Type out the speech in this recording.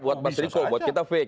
itu buat mas rizal buat kita fix